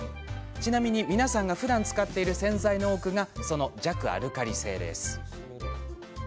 ちなみに、皆さんがふだん使っている洗剤の多くがその弱アルカリ性です。